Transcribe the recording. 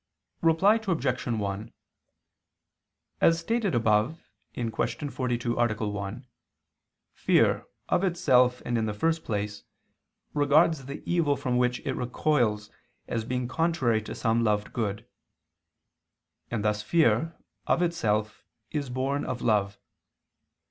Reply Obj. 1: As stated above (Q. 42, A. 1), fear, of itself and in the first place, regards the evil from which it recoils as being contrary to some loved good: and thus fear, of itself, is born of love.